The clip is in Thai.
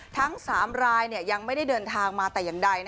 ทั้ง๓รายยังไม่ได้เดินทางมาแต่อย่างใด